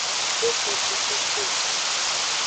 De ko cucucu o.